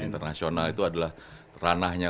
internasional itu adalah ranahnya